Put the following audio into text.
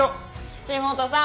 岸本さん